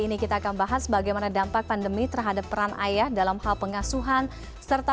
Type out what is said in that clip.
ini kita akan bahas bagaimana dampak pandemi terhadap peran ayah dalam hal pengasuhan serta